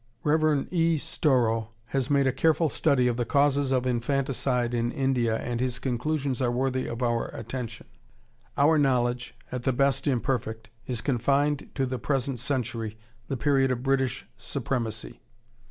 ] Rev. E. Storrow has made a careful study of the causes of infanticide in India, and his conclusions are worthy of our attention. Our knowledge, at the best imperfect, is confined to the present century, the period of British supremacy.